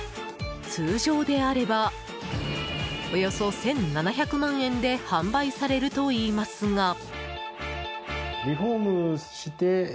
通常であればおよそ１７００万円で販売されるといいますが。